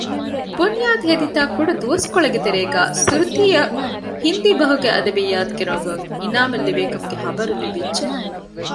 ބުންޔާދު ހެދިތާ ކުޑަދުވަސްކޮޅެއްގެ ތެރޭގައި ސުރުތީއަށް ހިންދީ ބަހުގެ އަދަބިއްޔާތުގެ ރޮނގުން އިނާމެއް ލިބޭ ކަމުގެ ޚަބަރު ލިބިއްޖެ